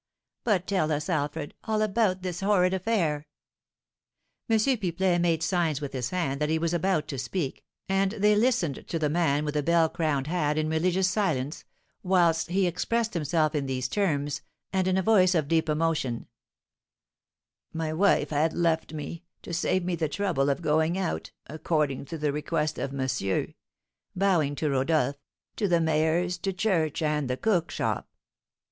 But tell us, Alfred, all about this horrid affair." M. Pipelet made signs with his hand that he was about to speak, and they listened to the man with the bell crowned hat in religious silence, whilst he expressed himself in these terms, and in a voice of deep emotion: "My wife had left me, to save me the trouble of going out, according to the request of monsieur," bowing to Rodolph, "to the mayor's, to church, and the cook shop."